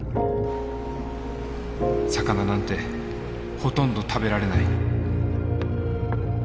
魚なんてほとんど食べられない。